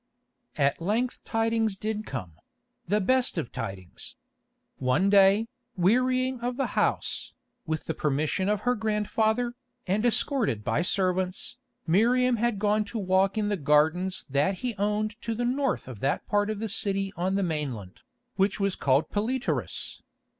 At length tidings did come—the best of tidings. One day, wearying of the house, with the permission of her grandfather, and escorted by servants, Miriam had gone to walk in the gardens that he owned to the north of that part of the city on the mainland, which was called Palætyrus.